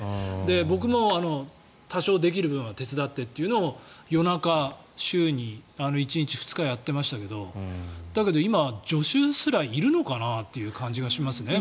僕も多少できる部分は手伝ってというのを夜中週に１日２日やってましたけどだけど今、助手すらいるのかなという感じがしますね。